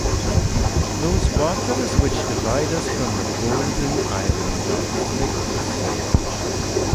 Those waters which divide us from the golden island are thick with sails.